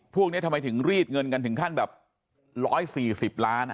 พวกนี้ทำไมถึงรีดเงินกันถึงขั้นแบบ๑๔๐ล้าน